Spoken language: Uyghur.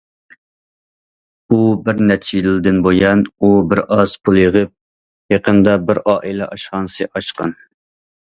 بۇ بىر نەچچە يىلدىن بۇيان، ئۇ بىرئاز پۇل يىغىپ، يېقىندا بىر ئائىلە ئاشخانىسى ئاچقان.